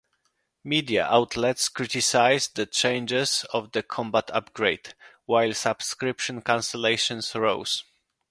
Media outlets criticized the changes of the "Combat Upgrade" while subscription cancellations rose.